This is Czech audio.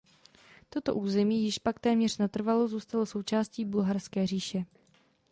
Toto území již pak téměř natrvalo zůstalo součástí bulharské říše.